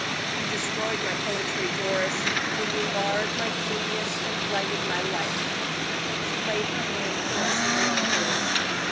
"You destroyed my poetry, Doris, when you marred my genius and blighted my life!" She laid her hand caressingly on his.